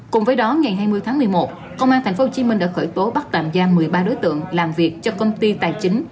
cùng với đó ngày hai mươi tháng một mươi một công an tp hcm đã khởi tố bắt tạm giam một mươi ba đối tượng làm việc cho công ty tài chính